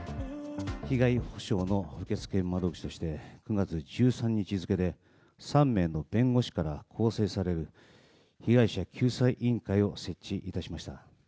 被害補償の受付窓口で９月１３日付けで３人の弁護士から構成される被害者救済委員会を設置いたしました。